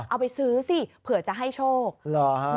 เอาไปซื้อสิเผื่อจะให้โชค